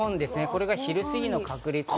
これが昼過ぎの確率。